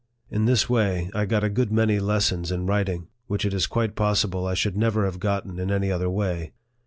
In this way I got a good many lessons in writing, which it is quite pos sible I should never have gotten in any other way.